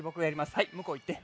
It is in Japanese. はいむこういって。